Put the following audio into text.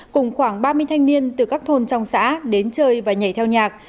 cùng khoảng ba mươi thanh niên từ các thôn trong xã đến chơi và nhảy theo nhạc